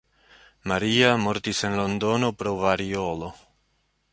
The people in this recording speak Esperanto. Maria mortis en Londono pro variolo.